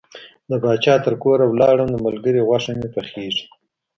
د پاچا تر کوره لاړم د ملګري غوښه مې پخیږي.